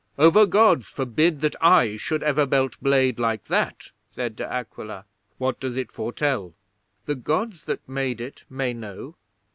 '"Over Gods, forbid that I should ever belt blade like that," said De Aquila. "What does it foretell?" '"The Gods that made it may know.